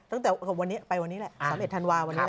ตั้งแต่วันนี้ไปวันนี้แหละ๓๑ธันวาวันนี้